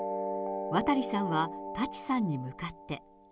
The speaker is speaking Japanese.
渡さんは舘さんに向かって。